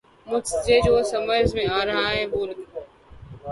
مجھے جو سمجھ میں آرہا ہے وہ لکھوں